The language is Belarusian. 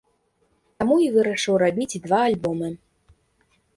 Таму і вырашыў рабіць два альбомы.